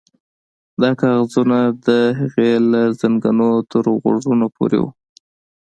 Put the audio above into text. دا کاغذونه د هغې له زنګنو تر غوږونو پورې وو